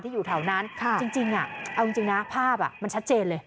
ที่อยู่แถวนั้นจริงจริงอ่ะเอานจริงน่ะภาพอ่ะมันชัดเจนเลย